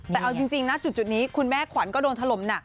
แต่เอาจริงนะจุดนี้คุณแม่ขวัญก็โดนถล่มหนัก